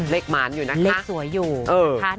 เล็กหมานอยู่นะคะเออเล็กสวยอยู่นะคะ